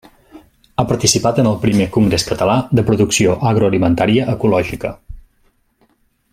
Ha participat en el Primer Congrés Català de Producció Agroalimentària Ecològica.